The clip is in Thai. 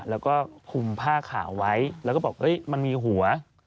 แล้วก็คุมผ้าขาวไว้แล้วก็บอกมันมีหัว